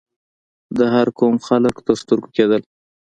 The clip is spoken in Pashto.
د هر قوم خلک تر سترګو کېدل.